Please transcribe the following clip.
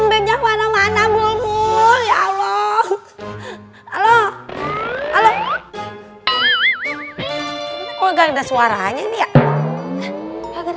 belajar mana mana bulbul ya allah halo halo halo kok gak ada suaranya nih ya